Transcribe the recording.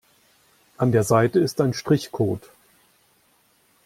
An der Seite ist ein Strichcode.